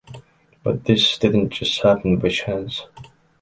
But this didn’t just happen by chance.